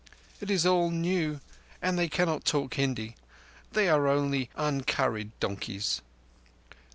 It is all new, and they cannot talk Hindi. They are only uncurried donkeys."